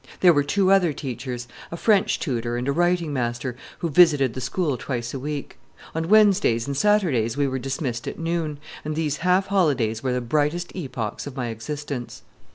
There were two other teachers a French tutor and a writing master, who visited the school twice a week. On Wednesdays and Saturdays we were dismissed at noon, and these half holidays were the brightest epochs of my existence.